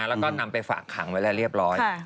แล้วก็นำไปฝากขังไว้แล้วเรียบร้อย